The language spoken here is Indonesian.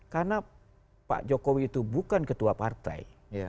karena pak jokowi itu bukan ketua partai